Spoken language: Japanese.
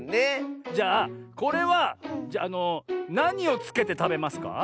じゃあこれはなにをつけてたべますか？